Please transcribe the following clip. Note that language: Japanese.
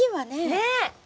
ねえ！